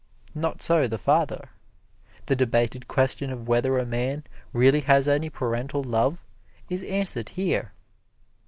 Not so the father. The debated question of whether a man really has any parental love is answered here.